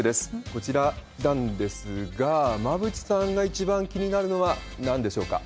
こちらなんですが、馬渕さんが一番気になるのはなんでしょうか？